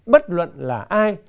bất luận là ai